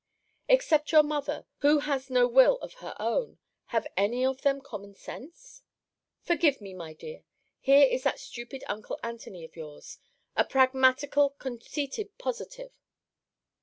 Except your mother, who has no will of her own, have any of them common sense? Forgive me, my dear Here is that stupid uncle Antony of yours. A pragmatical, conceited positive.